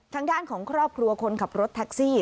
ทางด้านของครอบครัวคนขับรถแท็กซี่